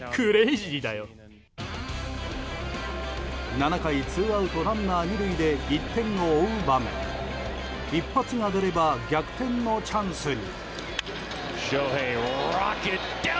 ７回ツーアウトランナー２塁で１点を追う場面一発が出れば逆転のチャンスに。